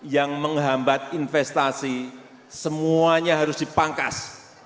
yang menghambat investasi semuanya harus dipangkas